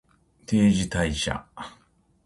定時退社